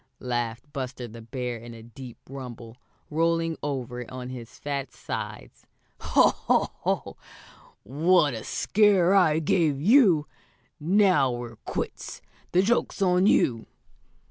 laughed Buster the Bear in a deep rumble, rolling over on his fat sides. "Ho! Ho! Ho! What a scare I gave you! Now we're quits. The joke's on you!"